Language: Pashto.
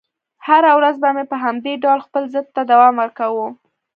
هره ورځ به مې په همدې ډول خپل ضد ته دوام ورکاوه.